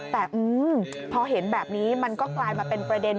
แต่พอเห็นแบบนี้มันก็กลายมาเป็นประเด็น